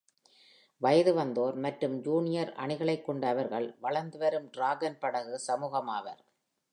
வயது வந்தோர் மற்றும் ஜூனியர் அணிகளைக் கொண்ட அவர்கள் வளர்ந்து வரும் டிராகன் படகு சமூகம் ஆவர்.